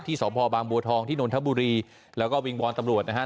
สพบางบัวทองที่นนทบุรีแล้วก็วิงวอนตำรวจนะฮะ